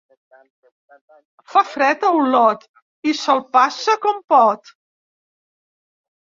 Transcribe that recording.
Fa fred a Olot i se'l passa com pot.